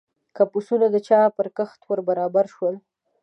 که د پسونو د چا پر کښت ور برابر شول.